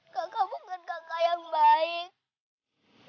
kagak bukan kakak yang baik